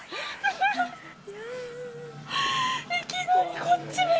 いきなりこっちに。